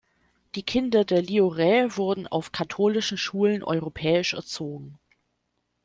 Die Kinder der Liurais wurden auf katholischen Schulen europäisch erzogen.